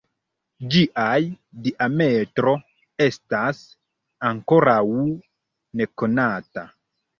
Ĝiaj diametro estas ankoraŭ nekonata.